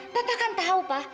papa kan tahu pa